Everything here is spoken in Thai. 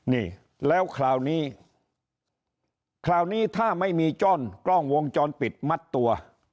นี่แล้วคราวนี้คราวนี้ถ้าไม่มีจ้อนกล้องวงจรปิดมัดตัว